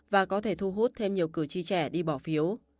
và có thể thu hút thêm nhiều cử tri trẻ đi bỏ phiếu